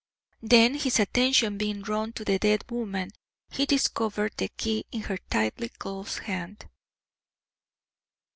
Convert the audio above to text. Then, his attention being drawn to the dead woman, he discovered the key in her tightly closed hand.